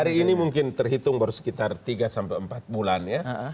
hari ini mungkin terhitung baru sekitar tiga sampai empat bulan ya